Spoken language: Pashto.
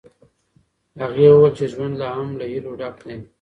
هغې وویل چې ژوند لا هم له هیلو ډک دی.